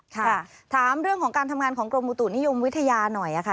ค่ะถามเรื่องของการทำงานของกรมอุตุนิยมวิทยาหน่อยค่ะ